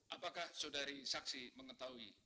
apakah saudari saksi mengetahui